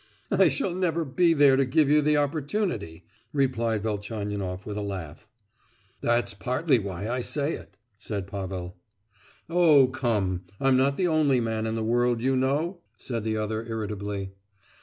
"I shall never be there to give you the opportunity," replied Velchaninoff with a laugh. "That's partly why I say it," said Pavel. "Oh, come! I'm not the only man in the world you know!" said the other irritably.